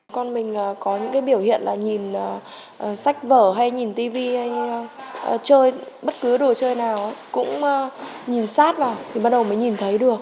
con mình có những cái biểu hiện là nhìn sách vở hay nhìn tv hay chơi bất cứ đồ chơi nào cũng nhìn sát vào thì bắt đầu mới nhìn thấy được